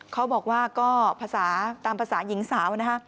เขาบอกว่าก็ภาษาตามภาษาหญิงสาวนะคะ